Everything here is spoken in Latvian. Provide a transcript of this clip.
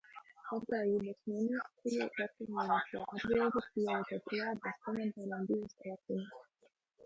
Labklājības ministrija, gatavojot šo atbildi, pielika klāt bez komentāriem divas lapiņas.